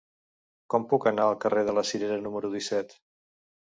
Com puc anar al carrer de la Cirera número disset?